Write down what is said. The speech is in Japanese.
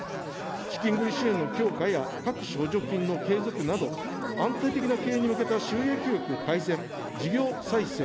資金繰り支援の強化や各種補助金の継続など、安定的な経営に向けた収益力改善、事業再生